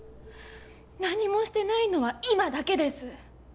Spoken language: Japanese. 何もしてないのは今だけです。